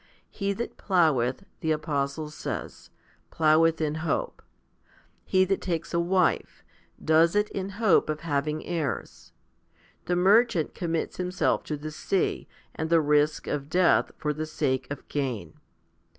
He that plougheth, the apostle says, plougheth in hope. 1 He that takes a wife, does it in hope of having heirs. The merchant commits himself to the sea and the risk of death for the sake of gain.